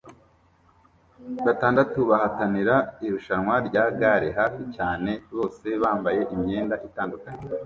Batandatu bahatanira irushanwa rya gare hafi cyane bose bambaye imyenda itandukanye